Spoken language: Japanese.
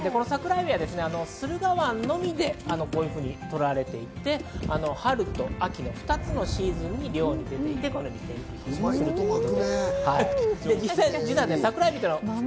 桜えびは駿河湾のみでこういうふうにとられていて、春と秋の２つのシーズンに漁が出ていて、天日干しされると。